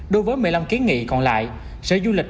đối với một mươi năm kiến nghị còn lại sở du lịch